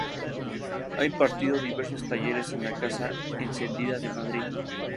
Ha impartido diversos talleres en La casa encendida de Madrid.